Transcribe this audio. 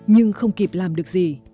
nhưng không kịp làm được gì